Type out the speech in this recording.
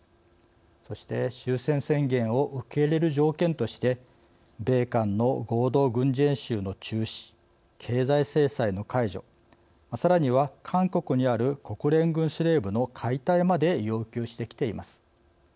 そして終戦宣言を受け入れる条件として米韓の合同軍事演習の中止経済制裁の解除さらには韓国にある国連軍司令部の解体まで要求してきています。